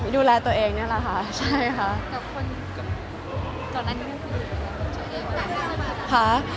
ดูแลตัวเองนี่แหละค่ะ